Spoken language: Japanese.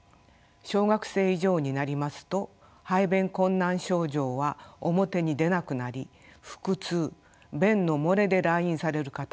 小学生以上になりますと排便困難症状は表に出なくなり腹痛便の漏れで来院される方が増えます。